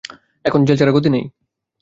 এখন জেল ছাড়া গতি নেই।